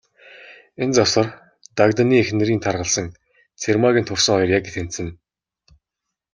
Энэ завсар, Дагданы эхнэрийн таргалсан, Цэрмаагийн турсан хоёр яг тэнцэнэ.